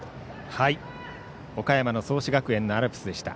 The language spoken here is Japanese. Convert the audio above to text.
岡山・創志学園のアルプスでした。